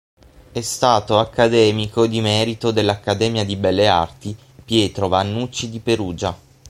È stato Accademico di merito dell'Accademia di Belle Arti Pietro Vannucci di Perugia.